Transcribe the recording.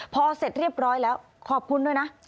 พอเสร็จเรียบร้อยแล้วขอบคุณด้วยนะ